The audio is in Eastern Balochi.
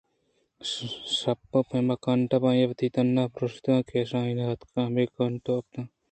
شُت پمے کانٹ ءِ آپاں وتی تُنّءِ پُروٛشگ ءَ کہ شاہینءَاتکءُ ہمے کانٹ ءِ آپاناں ریتک